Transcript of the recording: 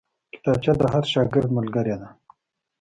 کتابچه د هر شاګرد ملګرې ده